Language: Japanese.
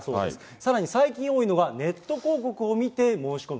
さらに最近多いのが、ネット広告を見て申し込む。